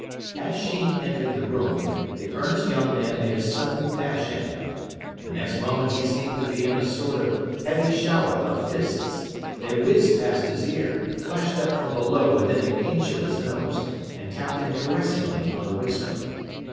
As Sheen entered the room the earnest young man made a sudden dash at him. The next moment he seemed to be in a sort of heavy shower of fists. They whizzed past his ear, flashed up from below within an inch of his nose, and tapped him caressingly on the waistcoat.